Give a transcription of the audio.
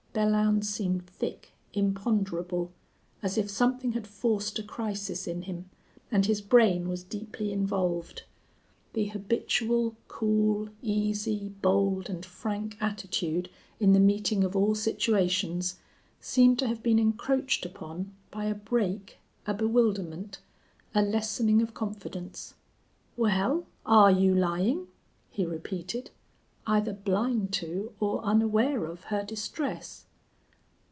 Belllounds seemed thick, imponderable, as if something had forced a crisis in him and his brain was deeply involved. The habitual, cool, easy, bold, and frank attitude in the meeting of all situations seemed to have been encroached upon by a break, a bewilderment, a lessening of confidence. "Wal, are you lyin'?" he repeated, either blind to or unaware of her distress.